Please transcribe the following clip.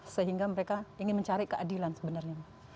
sehingga mereka ingin mencari keadilan sebenarnya